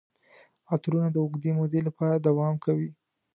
عطرونه د اوږدې مودې لپاره دوام کوي.